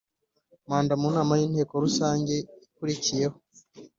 manda mu nama y Inteko rusange ikurikiyeho